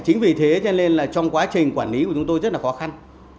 chính vì thế cho nên là trong quá trình quản lý của chúng tôi rất là khó khăn